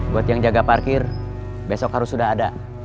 buat yang jaga parkir besok harus sudah ada